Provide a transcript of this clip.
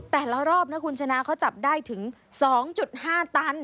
แต่ละรอบนะคุณชนะเขาจับได้ถึง๒๕ตัน